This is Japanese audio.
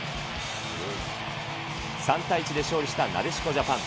３対１で勝利したなでしこジャパン。